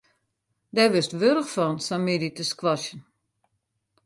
Dêr wurdst warch fan, sa'n middei te squashen.